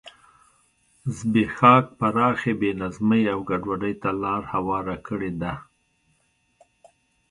زبېښاک پراخې بې نظمۍ او ګډوډۍ ته لار هواره کړې ده.